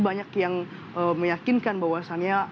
banyak yang meyakinkan bahwasannya